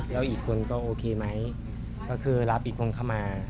แล้วอีกคนก็โอเคไหมก็คือรับอีกคนเข้ามา